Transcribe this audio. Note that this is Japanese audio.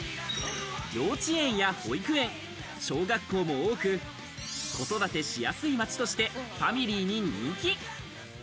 幼稚園や保育園、小学校も多く、子育てしやすい街として、ファミリーに人気。